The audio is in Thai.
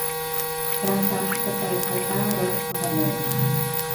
ราชาธิปไตยภายใต้รัฐธรรมนูญ